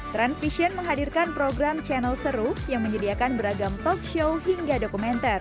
transvision menghadirkan program channel seru yang menyediakan beragam talk show hingga dokumenter